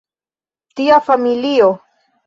Tia familio.